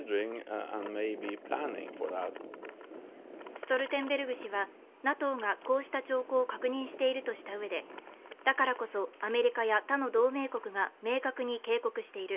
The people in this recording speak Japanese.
ストルテンベルグ氏はＮＡＴＯがこうした兆候を確認しているとしたうえでだからこそアメリカや他の同盟国が明確に警告している。